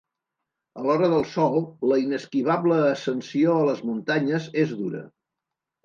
A l'hora del sol, la inesquivable ascensió a les muntanyes és dura.